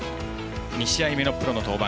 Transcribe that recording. ２試合目のプロの登板。